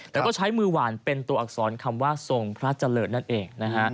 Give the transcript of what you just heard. แต่ก็ใช้มือหวานเป็นตัวอักษรคำว่าทรงพระเจริญนั่นเองนะฮะ